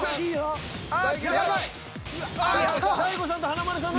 大悟さんと華丸さん